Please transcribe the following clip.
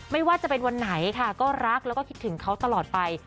ไม่ว่าจะเป็นวันไหนค่ะก็รักแล้วก็คิดถึงเขาตลอดไป